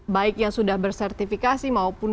baik yang sudah bersertifikasi maupun